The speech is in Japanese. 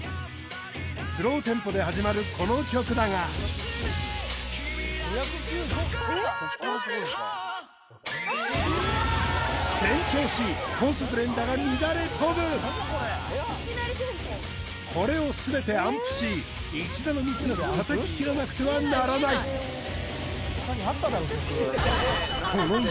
スローテンポで始まるこの曲だが君らしく心踊る方転調し高速連打が乱れ飛ぶこれを全て暗譜し１打のミスなく叩ききらなくてはならないこの１